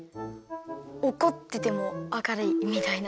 おこっててもあかるいみたいな？